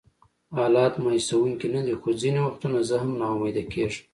حالات مایوسونکي نه دي، خو ځینې وختونه زه هم ناامیده کېږم.